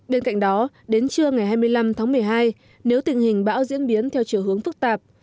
bên cạnh đó đến trưa ngày hai mươi năm tháng một mươi hai nếu tình hình bão diễn biến theo chiều hướng phức tạp